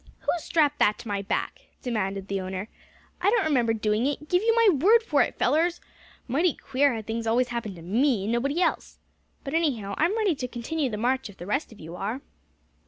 "Who strapped that to my back?" demanded the owner. "I don't remember doing it, give you my word for it, fellers. Mighty queer how things always happen to me, and nobody else. But anyhow, I'm ready to continue the march, if the rest of you are."